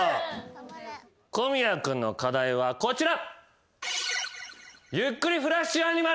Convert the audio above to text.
小宮君の課題はこちら。